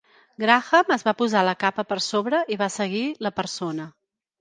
Graham es va posar la capa per sobre i va seguir la persona.